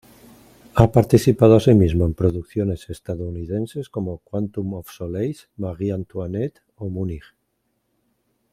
Ha participado asimismo en producciones estadounidenses como "Quantum of Solace", "Marie Antoinette" o "Múnich".